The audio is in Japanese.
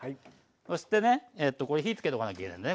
そしてねこれ火つけとかなきゃいけないのね